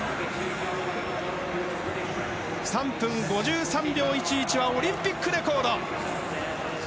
３分５３秒１１はオリンピックレコード。